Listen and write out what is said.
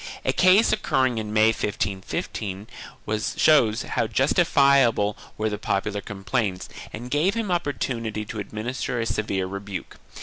A case occur ring in May, 1515, shows how justifiable were the popular com plaints and gave him opportunity to administer a severe rebuke.